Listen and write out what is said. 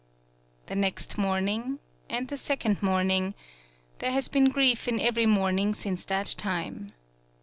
The next morning, and the second morning there has been grief in every morning since that time.